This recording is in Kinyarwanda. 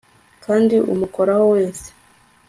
Kandi umukoraho wese